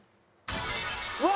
うわ！